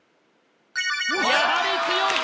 やはり強い！